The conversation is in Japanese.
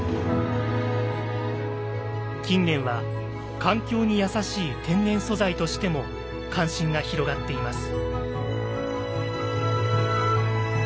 近年は環境に優しい天然素材としても関心が広がっています。